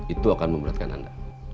itu akan memberatkan anda